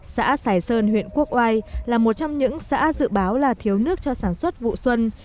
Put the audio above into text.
xã sài sơn huyện quốc oai là một trong những xã dự báo là thiếu nước cho sản xuất vụ xuân